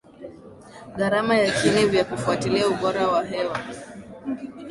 gharama ya chini vya kufuatilia ubora wa hewa